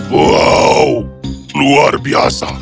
wow luar biasa